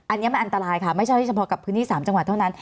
อันนี้มันอันตรายค่ะไม่ใช่เฉพาะกับพื้นที่๓จังหวัดเท่านั้น